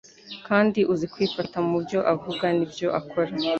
kandi uzi kwifata mu byo avuga n'ibyo akora.